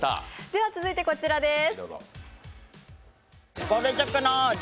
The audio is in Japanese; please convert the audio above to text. では、続いてこちらです。